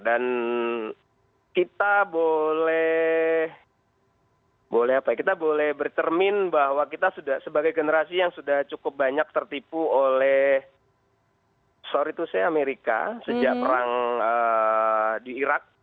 dan kita boleh bertermin bahwa kita sebagai generasi yang sudah cukup banyak tertipu oleh amerika sejak perang di irak